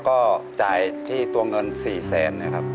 ก็จ่ายที่ตัวเงิน๔แสนนะครับ